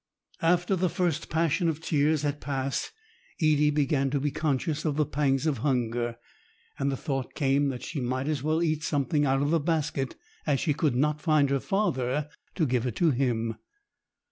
After the first passion of tears had passed, Edie began to be conscious of the pangs of hunger, and the thought came that she might as well eat something out of the basket, as she could not find her father to give it to him.